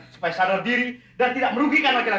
supaya sadar diri dan tidak merugikan laki laki